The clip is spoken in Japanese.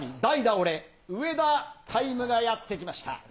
俺、上田タイムがやってきました。